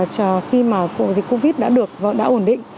chờ khi mà dịch covid đã được đã ổn định